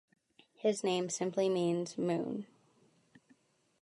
His name simply means "Moon".